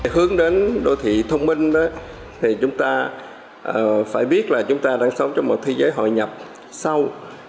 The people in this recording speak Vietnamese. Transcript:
hướng đến đô thị thông minh thì chúng ta phải biết là chúng ta đang sống trong một thế giới hội nhập sâu